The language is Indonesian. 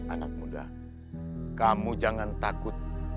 anak muda kamu jangan takut